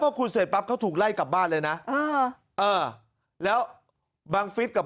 พอคุยเสร็จปั๊บเขาถูกไล่กลับบ้านเลยนะเออเออแล้วบังฟิศกับ